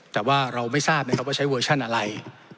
แต่ว่าเราไม่ทราบนะครับว่าใช้เวอร์ชั่นอะไร